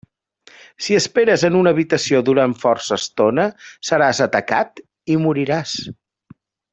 Si esperes en una habitació durant força estona, seràs atacat i moriràs.